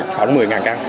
khoảng một mươi căn